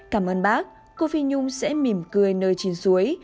cảm ơn bác cô phi nhung sẽ mỉm cười nơi trên suối